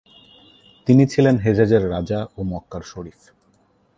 তিনি ছিলেন হেজাজের রাজা ও মক্কার শরিফ।